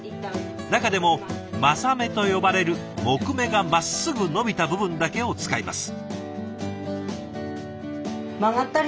中でも柾目と呼ばれる木目がまっすぐ伸びた部分だけを使います。